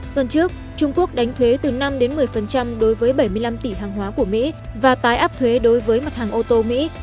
tuần trước trung quốc đánh thuế từ năm một mươi đối với bảy mươi năm tỷ hàng hóa của mỹ và tái áp thuế đối với mặt hàng ô tô mỹ